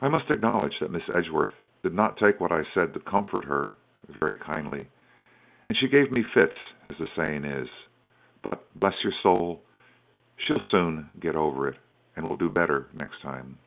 "I must acknowledge that Miss Edgeworth did not take what I said to comfort her very kindly, and she 'gave me fits,' as the saying is; but bless your soul, she'll soon get over it, and will do better next time."